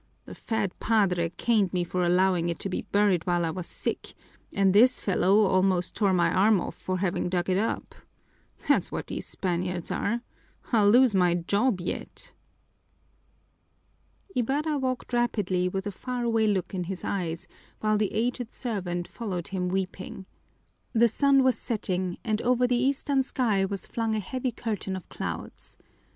The fat padre caned me for allowing it to be buried while I was sick, and this fellow almost tore my arm off for having dug it up. That's what these Spaniards are! I'll lose my job yet!" Ibarra walked rapidly with a far away look in his eyes, while the aged servant followed him weeping. The sun was setting, and over the eastern sky was flung a heavy curtain of clouds.